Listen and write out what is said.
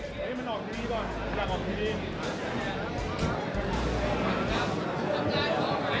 เฮ้ยมันออกทีวีก่อนอยากออกทีวี